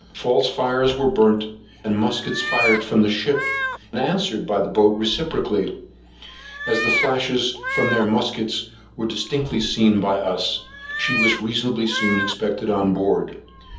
False fires were burnt, and muskets fired from the ship, and answered by the boat reciprocally; and as the flashes from their muskets were distinctly seen by us, she was reasonably soon expected on board.